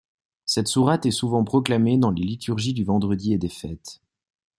Cette sourate est souvent proclamée dans les liturgies du vendredi et des fêtes.